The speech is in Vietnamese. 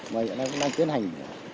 và hiện nay cũng đang tiến hành